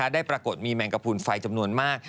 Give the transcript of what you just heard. ปรากฏมีแมงกระพูนไฟจำนวนมาก